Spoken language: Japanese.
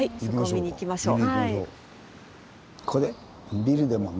見に行きましょう。